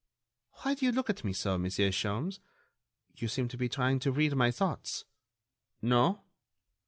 "Why do you look at me so, Monsieur Sholmes?... You seem to be trying to read my thoughts.... No?...